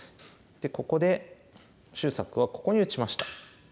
ここで秀策はここに打ちました。